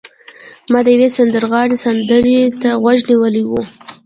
ما د یو سندرغاړي سندرې ته غوږ نیولی و